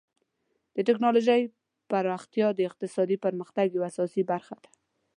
د ټکنالوژۍ پراختیا د اقتصادي پرمختګ یوه اساسي برخه ده.